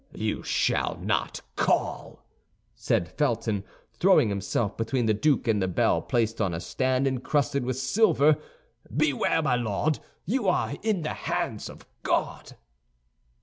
"You shall not call," said Felton, throwing himself between the duke and the bell placed on a stand encrusted with silver. "Beware, my Lord, you are in the hands of God!"